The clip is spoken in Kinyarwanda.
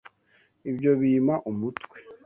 Ibyo bimpa umutwe!